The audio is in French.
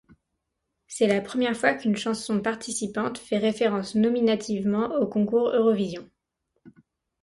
C'est la première fois qu'une chanson participante fait référence nominativement au Concours Eurovision.